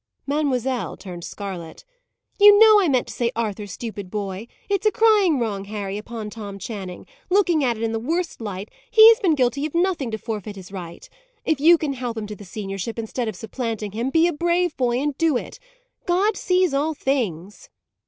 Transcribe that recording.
Mademoiselle turned scarlet. "You know I meant to say Arthur, stupid boy! It's a crying wrong, Harry, upon Tom Channing. Looking at it in the worst light, he has been guilty of nothing to forfeit his right. If you can help him to the seniorship instead of supplanting him, be a brave boy, and do it. God sees all things."